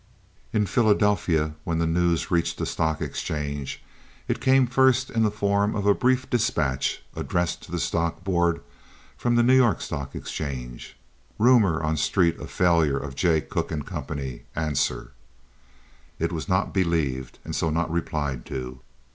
In Philadelphia, when the news reached the stock exchange, it came first in the form of a brief despatch addressed to the stock board from the New York Stock Exchange—"Rumor on street of failure of Jay Cooke & Co. Answer." It was not believed, and so not replied to.